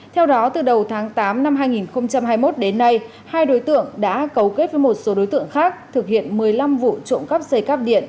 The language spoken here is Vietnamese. theo đó từ đầu tháng tám năm hai nghìn hai mươi một đến nay hai đối tượng đã cấu kết với một số đối tượng khác thực hiện một mươi năm vụ trộm cắp dây cắp điện